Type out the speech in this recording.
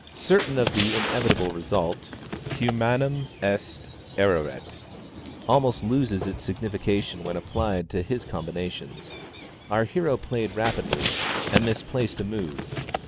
Certain of the inevitable result, (humanum est erraret almost loses its signification when applied to his combinations,) our hero played rapidly, and misplaced a move.